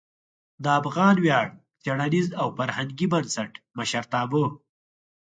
د افغان ویاړ څیړنیز او فرهنګي بنسټ مشرتابه